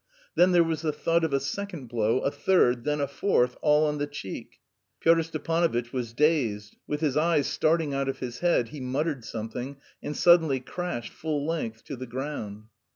Then there was the thud of a second blow, a third, then a fourth, all on the cheek. Pyotr Stepanovitch was dazed; with his eyes starting out of his head, he muttered something, and suddenly crashed full length to the ground.